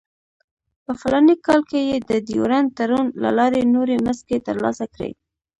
په فلاني کال کې یې د ډیورنډ تړون له لارې نورې مځکې ترلاسه کړې.